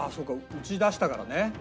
打ち出したからね。